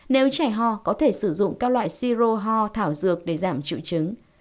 nếu trẻ ho có thể sử dụng các loại siro ho thảo dược để giảm triệu chứng